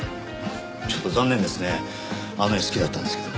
ちょっと残念ですねあの絵好きだったんですけど。